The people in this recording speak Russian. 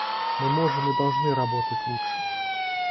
Мы можем и должны работать лучше.